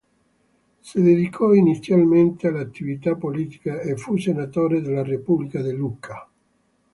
Si dedicò inizialmente all'attività politica e fu senatore della repubblica di Lucca.